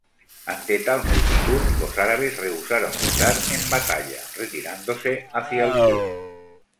Ante tal multitud, los árabes rehusaron entrar en batalla, retirándose hacia el sur.